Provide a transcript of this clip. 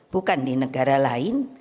bukan di negara lain